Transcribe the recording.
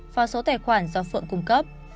và số tài khoản do phượng cung cấp